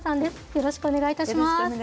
よろしくお願いします。